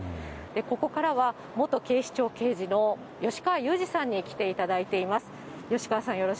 ここからは元警視庁刑事の吉川祐二さんに来ていただいています。